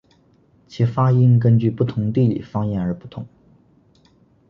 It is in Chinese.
其发音根据不同地理方言而不同。